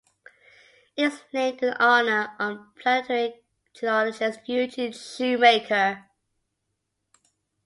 It is named in honour of planetary geologist Eugene Shoemaker.